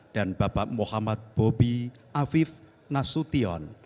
dan bapak muhammad bobby aviv nasuti